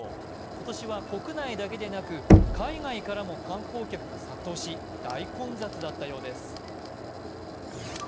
今年は国内だけでなく海外からも観光客が殺到し大混雑だったそうです。